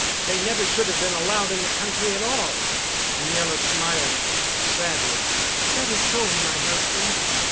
"They never should have been allowed in the country at all." Miela smiled sadly. "That is so, my husband.